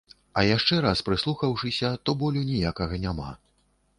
А яшчэ раз прыслухаўшыся, то болю ніякага няма.